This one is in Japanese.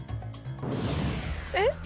えっ？